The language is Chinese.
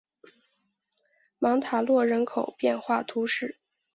芒塔洛人口变化图示